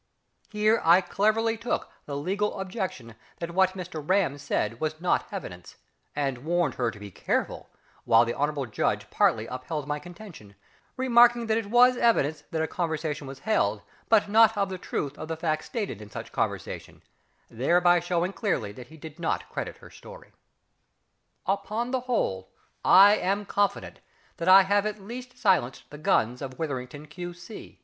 Here I cleverly took the legal objection that what Mr RAM said was not evidence, and warned her to be careful, while the Hon'ble Judge partly upheld my contention, remarking that it was evidence that a conversation was held, but not of the truth of the facts stated in such conversation, thereby showing clearly that he did not credit her story. Upon the whole, I am confident that I have at least silenced the guns of WITHERINGTON, Q.C.